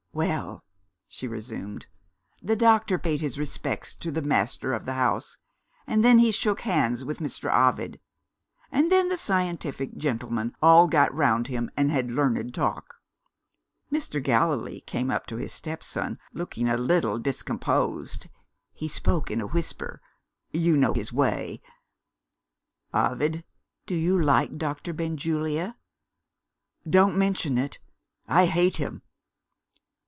"Well," she resumed, "the doctor paid his respects to the master of the house, and then he shook hands with Mr. Ovid; and then the scientific gentlemen all got round him, and had learned talk. Mr. Gallilee came up to his stepson, looking a little discomposed. He spoke in a whisper you know his way? 'Ovid, do you like Doctor Benjulia? Don't mention it; I hate him.